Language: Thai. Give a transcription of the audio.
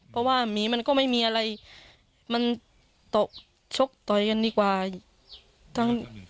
เพราะว่าหมีมันก็ไม่มีอะไรมันตกชกต่อยกันดีกว่าทั้ง